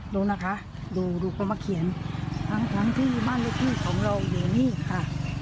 ดูนะคะดูดูเขามาเขียนทั้งที่บ้านลูกพี่ของเราอยู่นี่ค่ะ